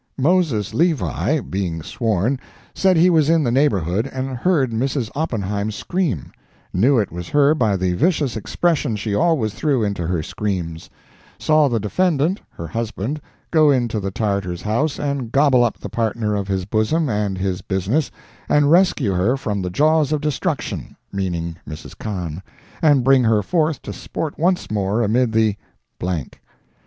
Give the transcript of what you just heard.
Moses Levi, being sworn, said he was in the neighborhood, and heard Mrs. Oppenheim scream; knew it was her by the vicious expression she always threw into her screams; saw the defendant (her husband) go into the Tartar's house and gobble up the partner of his bosom and his business, and rescue her from the jaws of destruction (meaning Mrs. Kahn,) and bring her forth to sport once more amid the _____.